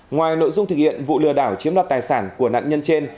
ngoài nội dung thực hiện vụ lừa đảo chiếm đoạt tài sản của nạn nhân trên